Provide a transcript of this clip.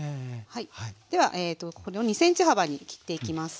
ではこれを２ｃｍ幅に切っていきます。